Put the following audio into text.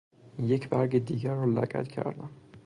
یک برگ دیگر را لگد کردم.